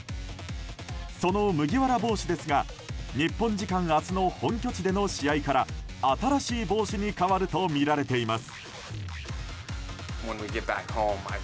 その麦わら帽子ですが日本時間明日の本拠地での試合から新しい帽子に変わるとみられています。